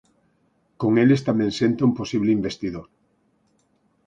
Con eles tamén senta un posible investidor.